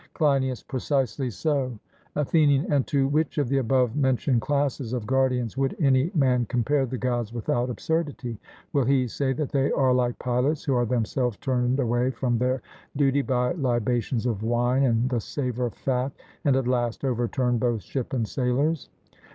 CLEINIAS: Precisely so. ATHENIAN: And to which of the above mentioned classes of guardians would any man compare the Gods without absurdity? Will he say that they are like pilots, who are themselves turned away from their duty by 'libations of wine and the savour of fat,' and at last overturn both ship and sailors?